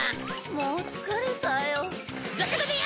もう疲れたよ。